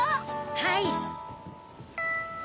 はい。